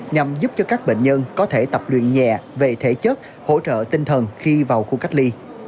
nhằm giúp cho các bệnh nhân có thể tập luyện nhẹ về thể chất hỗ trợ tinh thần khi vào khu cách ly